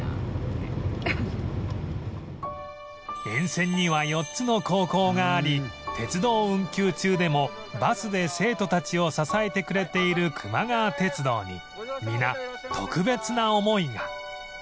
沿線には４つの高校があり鉄道運休中でもバスで生徒たちを支えてくれているくま川鉄道に皆特別な思いが